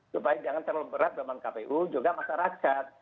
supaya jangan terlalu berat memang kpu juga masyarakat